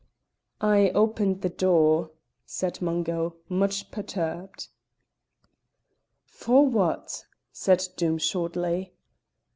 "I opened the door," said Mungo, much perturbed. "For what?" said Doom shortly.